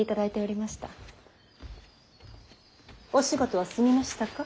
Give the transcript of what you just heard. お仕事は済みましたか。